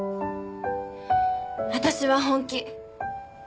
私は本気。